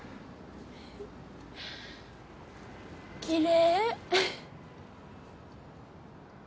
きれい。